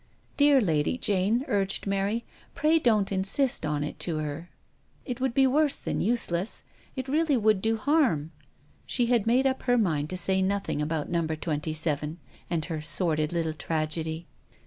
"Dear Lady Jane," urged Mary, "pray don't insist on it to her. It would be worse than useless — it really would do harm." She had made up her mind to say nothing now about "Number Twenty seven," and her sordid little tragedy.